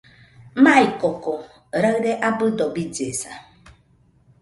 Maikoko raɨre abɨdo billesa